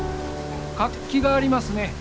活気がありますね。